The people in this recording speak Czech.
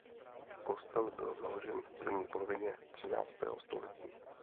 Kostel byl založen v první polovině třináctého století.